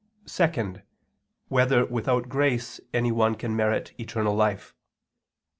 (2) Whether without grace anyone can merit eternal life?